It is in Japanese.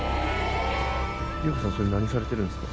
りえこさんそれ何されてるんですか？